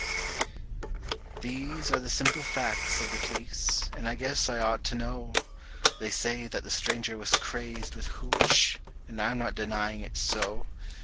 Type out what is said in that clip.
These are the simple facts of the case, and I guess I ought to know. They say the stranger was crazed with "hooch", and I'm not denying it's so.